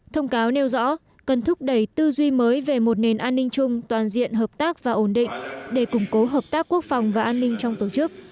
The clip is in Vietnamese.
thông cáo nêu rõ cần thúc đẩy tư duy mới về một nền an ninh chung toàn diện hợp tác và ổn định để củng cố hợp tác quốc phòng và an ninh trong tổ chức